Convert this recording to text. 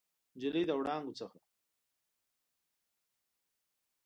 نجلۍ د وړانګو څخه